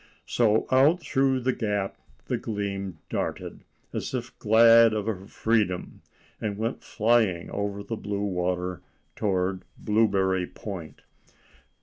So out through the gap the Gleam darted, as if glad of her freedom, and went flying over the blue water toward Blueberry Point.